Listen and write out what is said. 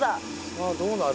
さあどうなる？